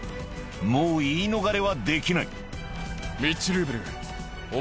もう言い逃れはできない！